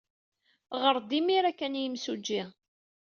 Ɣer-d imir-a kan i yimsujji.